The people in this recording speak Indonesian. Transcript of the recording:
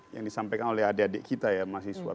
yang disampaikan oleh adik adik kita ya mahasiswa